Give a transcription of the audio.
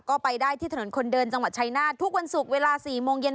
ก็ไปได้ที่ถนนคนเดินจังหวัดชายนาฏทุกวันศุกร์เวลา๔โมงเย็น